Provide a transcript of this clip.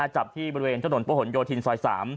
จับที่บริเวณถนนประหลโยธินซอย๓